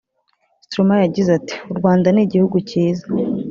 Stromae yagize ati “U Rwanda ni igihugu cyiza